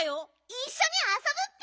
いっしょにあそぶッピ！